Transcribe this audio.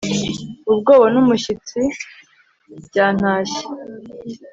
ubwoba n'umushyitsi byantashye